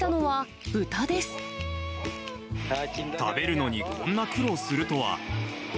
食べるのにこんな苦労するとは。